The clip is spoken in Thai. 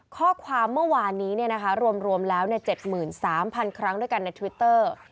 ข้อความเมื่อวานนี้รวมแล้ว๗๓๐๐๐ครั้งด้วยกันในทวิตเตอร์